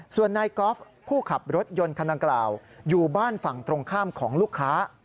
ส่วนนายกอล์ฟผู้ขับรถยนต์คันดังกล่าวอยู่บ้านฝั่งตรงข้ามของลูกค้า